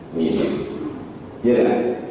ini iya kan